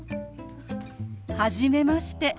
はじめまして。